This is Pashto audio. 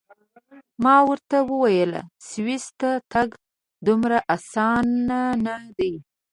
ما ورته وویل: سویس ته تګ دومره اسان نه دی.